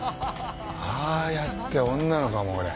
ああやって女の子が。